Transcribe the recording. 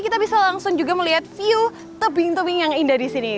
kita bisa langsung juga melihat view tebing tebing yang indah di sini